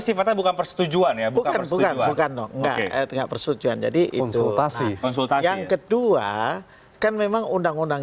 vestunya bukan bukan bukan enggak hai ya tidak persetujuan jadi itu pasi pasi yang kedua kan